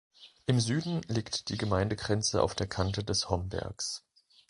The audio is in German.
Im Süden liegt die Gemeindegrenze auf der Kante des Hombergs.